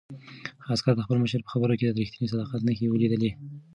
عسکر د خپل مشر په خبرو کې د رښتیني صداقت نښې ولیدلې.